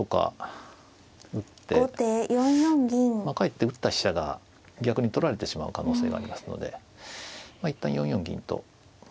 まあかえって打った飛車が逆に取られてしまう可能性がありますのでまあ一旦４四銀と。